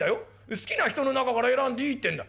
好きな人の中から選んでいいってんだ。